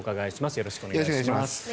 よろしくお願いします。